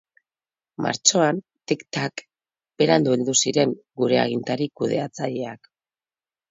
Martxoan, tik-tak, berandu heldu ziren gure agintari kudeatzaileak.